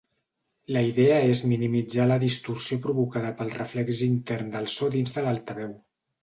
La idea és minimitzar la distorsió provocada pel reflex intern de so dins de l'altaveu.